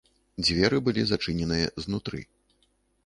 Дзверы былі зачыненыя знутры.